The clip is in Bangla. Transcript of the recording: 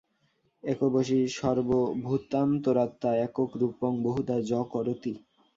একো বশী সর্বভূতান্তরাত্মা একং রূপং বহুধা য করোতি।